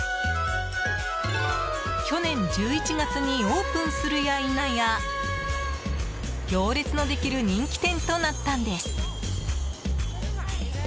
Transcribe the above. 去年１１月にオープンするやいなや行列のできる人気店となったんです。